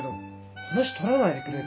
話取らないでくれる？